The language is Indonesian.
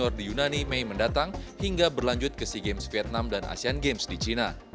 di yunani mei mendatang hingga berlanjut ke sea games vietnam dan asean games di china